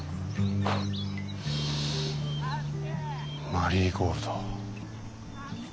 マリーゴールド。